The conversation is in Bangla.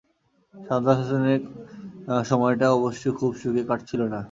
সাজ্জাদ হোসেনের সময়টা অবশ্যি খুব সুখে কাটছিল না।